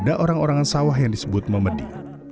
ada orang orangan sawah yang disebut memedi